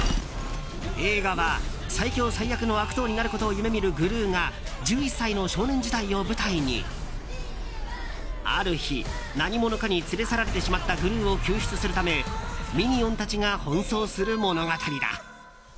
映画は最強最悪の悪党になることを夢見るグルーが１１歳の少年時代を舞台にある日、何者かに連れ去られてしまったグルーを救出するためミニオンたちが奔走する物語だ。